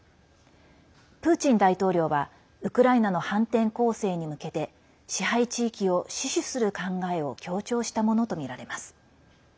プーチン大統領はウクライナの反転攻勢に向けて支配地域を死守する考えを強調したものとみられます。